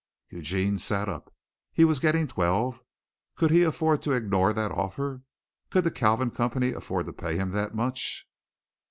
Eugene sat up. He was getting twelve. Could he afford to ignore that offer? Could the Kalvin Company afford to pay him that much?